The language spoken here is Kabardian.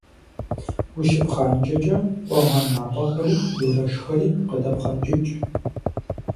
Ущыпхъанкӏэкӏэ, къуэгъэнапӏэхэри дурэшхэри къыдэпхъэнкӏыкӏ.